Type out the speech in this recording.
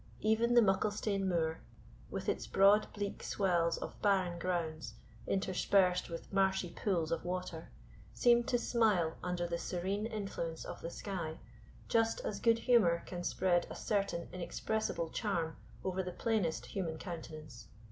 Even the Mucklestane Moor, with its broad bleak swells of barren grounds, interspersed with marshy pools of water, seemed to smile under the serene influence of the sky, just as good humour can spread a certain inexpressible charm over the plainest human countenance.